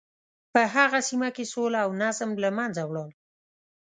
په هغه سیمه کې سوله او نظم له منځه ولاړ.